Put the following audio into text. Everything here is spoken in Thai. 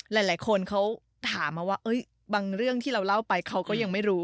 หลายคนเขาถามมาว่าบางเรื่องที่เราเล่าไปเขาก็ยังไม่รู้